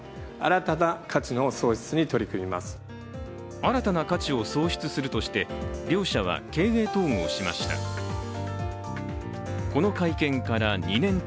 新たな価値を創出するとして両社は経営統合しました。